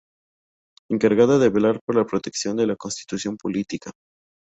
Encargada de velar por la protección de la Constitución Política.